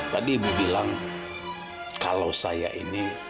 tadi ibu bilang kalau saya ini